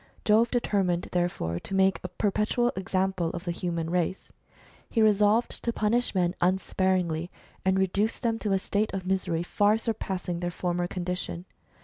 Jove determined therefore . to make a perpetual example of the human race. He resolved to punish men unsparingly, and reduce them to a state of misery far surpassing their former condition.